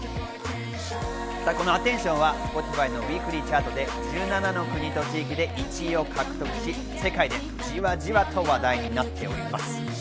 この『Ａｔｔｅｎｔｉｏｎ』はウイークリーチャートで１７の国と地域で１位を獲得し、世界でじわじわと話題になっています。